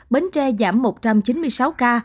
bến tre một trăm chín mươi sáu ca